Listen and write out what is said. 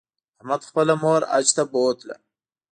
احمد خپله مور حج ته بوتله.